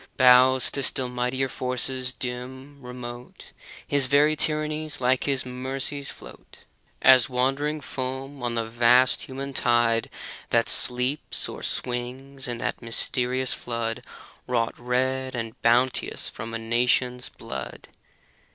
Bows to still mightier forces, dim, remote ; His very tyrannies, like his mercies^ float As wandering foam on the vast human tide That sleeps or swings in that mysterious flood Wrought red and bounteous from a nation's blood.